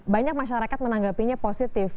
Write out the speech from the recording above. banyak masyarakat menanggapinya positif